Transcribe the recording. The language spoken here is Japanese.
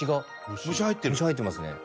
虫入ってますね。